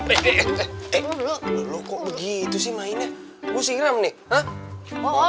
eh eh eh lo kok begitu sih mainnya gua sih ngam nih hah